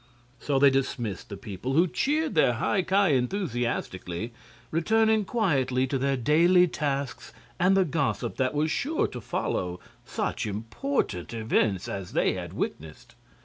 So they dismissed the people, who cheered their High Ki enthusiastically, returning quietly to their daily tasks and the gossip that was sure to follow such important events as they had witnessed.